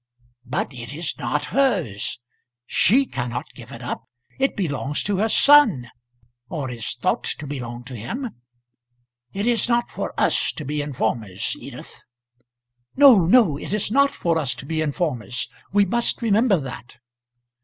"But it is not hers. She cannot give it up. It belongs to her son, or is thought to belong to him. It is not for us to be informers, Edith " "No, no; it is not for us to be informers. We must remember that."